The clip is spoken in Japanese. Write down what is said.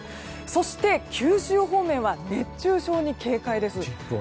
そして、九州方面は熱中症に警戒です。